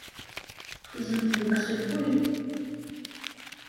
Tqefzemt deg usewwi.